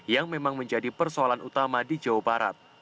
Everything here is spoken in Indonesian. yang memang menjadi persoalan utama di jawa barat